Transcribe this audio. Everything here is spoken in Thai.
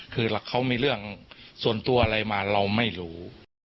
คือเขามีเรื่องส่วนตัวอะไรมาเราไม่รู้